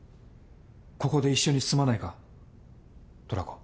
ここで一緒に住まないかトラコ。